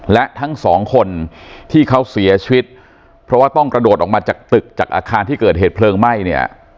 และทั้งสองคนที่เขาเสียชีวิตเพราะว่าต้องกระโดดออกมาจากตึกจากอาคารที่เกิดเหตุเพลิงไหม้เนี่ย